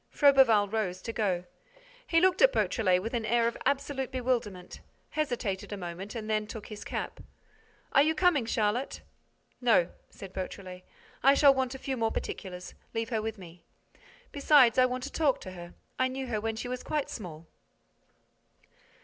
Froberval rose to go. He looked at Beautrelet with an air of absolute bewilderment, hesitated a moment and then took his cap: "Are you coming, Charlotte?" "No," said Beautrelet, "I shall want a few more particulars. Leave her with me. Besides, I want to talk to her. I knew her when she was quite small."